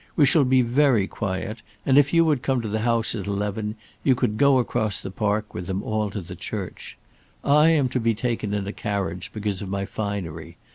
We shall be very quiet; and if you would come to the house at eleven you could go across the park with them all to the church. I am to be taken in a carriage because of my finery.